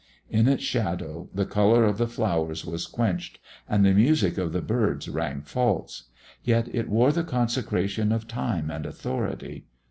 In its shadow the colour of the flowers was quenched, and the music of the birds rang false. Yet it wore the consecration of time and authority!